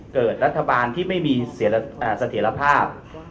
เกิดรัฐบาลที่ไม่มีเสถียรภาพ